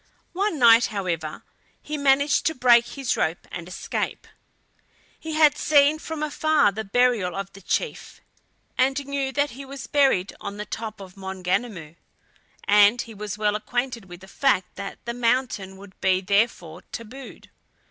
One night, however, he managed to break his rope and escape. He had seen from afar the burial of the chief, and knew that he was buried on the top of Maunganamu, and he was well acquainted with the fact that the mountain would be therefore tabooed.